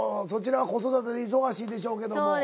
そちらは子育てで忙しいでしょうけども。